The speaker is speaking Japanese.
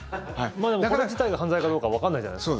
これ自体が犯罪かどうかわかんないじゃないですか。